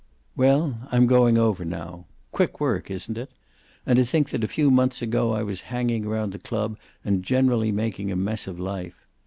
"Well, I'm going over now. Quick work, isn't it? And to think that a few months ago I was hanging around the club and generally making a mess of life.